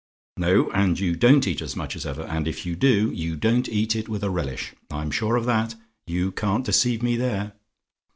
No, and you don't eat as much as ever: and if you do, you don't eat with a relish, I'm sure of that. You can't deceive me there.